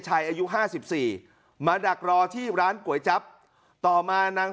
อายุห้าสิบสี่มาดักรอที่ร้านก๋วยจั๊บต่อมานาง